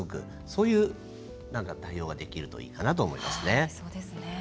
そういう対応ができるといいかなと思いますね。